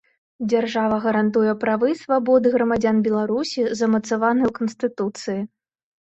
Дзяржава гарантуе правы і свабоды грамадзян Беларусі, замацаваныя ў Канстытуцыі.